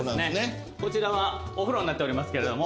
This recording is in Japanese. こちらはお風呂になっておりますけれども。